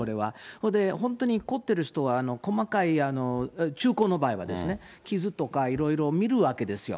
それで本当に凝ってる人は細かい中古の場合はですね、傷とかいろいろ見るわけですよ。